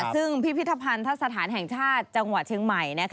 ซึ่งพิพิธภัณฑสถานแห่งชาติจังหวัดเชียงใหม่